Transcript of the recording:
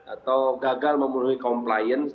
atau gagal memenuhi compliance